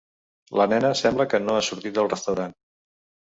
La nena sembla que no ha sortit del restaurant.